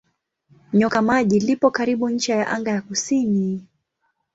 Nyoka Maji lipo karibu ncha ya anga ya kusini.